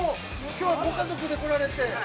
きょうはご家族で来られて？